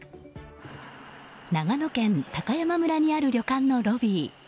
長野県高山村にある旅館のロビー。